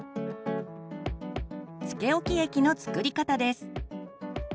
つけおき液の作り方です。